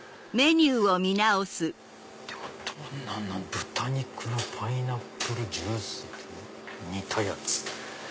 豚肉をパイナップルジュースで煮たやつ。